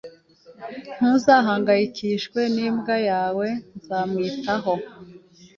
Ntugahangayikishijwe n'imbwa yawe. Nzamwitaho.